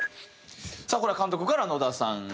さあこれは監督から野田さんへ。